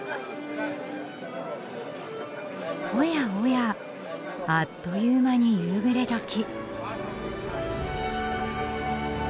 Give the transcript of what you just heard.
おやおやあっという間に夕暮れどき。